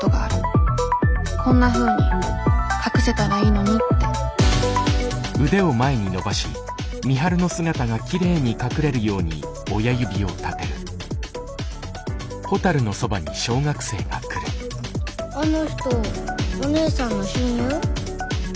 こんなふうに隠せたらいいのにってあの人おねえさんの親友？え？